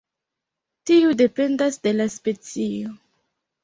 Tiu dependas de la specio.